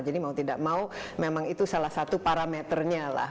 jadi mau tidak mau memang itu salah satu parameternya lah